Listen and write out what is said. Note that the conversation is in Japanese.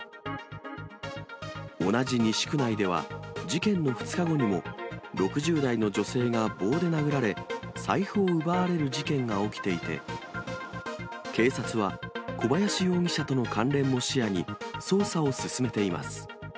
同じ西区内では、事件の２日後にも、６０代の女性が棒で殴られ、財布を奪われる事件が起きていて、警察は小林容疑者との関連も視野に、捜査を進めています。